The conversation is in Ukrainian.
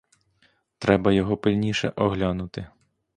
Треба його пильніше оглянути.